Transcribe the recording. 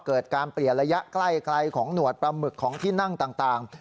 เกิดการเปลี่ยนระยะใกล้ของหนวดปลาหมึกของที่นั่งต่าง